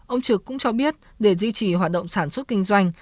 ông trực cũng cho biết để duy trì hoạt động sản xuất kinh doanh